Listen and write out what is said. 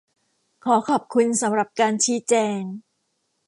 ขอขอบคุณสำหรับการชี้แจง !